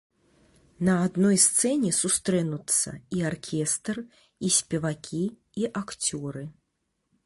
На адной сцэне сустрэнуцца і аркестр, і спевакі, і акцёры.